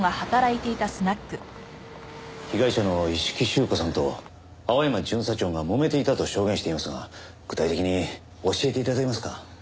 被害者の一色朱子さんと青山巡査長がもめていたと証言していますが具体的に教えて頂けますか？